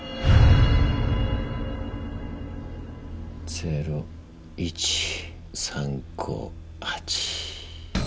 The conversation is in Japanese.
０１３５８。